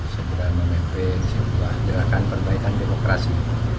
segera memimpin sebuah gerakan perbaikan demokrasi